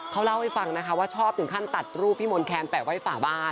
เขาเล่าให้ฟังนะคะว่าชอบถึงขั้นตัดรูปพี่มนต์แคนแปะไว้ฝาบ้าน